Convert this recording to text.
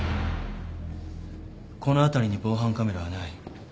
この辺りに防犯カメラはない。